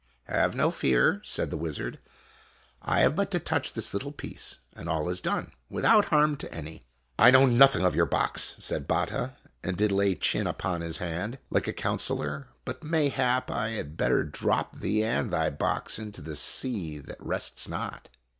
" Have no fear," said the wizard; " I have but to touch this little piece, and all is done, without harm to any." " I know nothing of your box," said Batta, and did lay chin upon his hand, like a counselor; "but mayhap I had better drop thee and thy box into the sea that rests not."